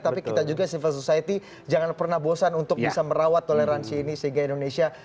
tapi kita juga civil society jangan pernah bosan untuk bisa merawat toleransi ini sehingga indonesia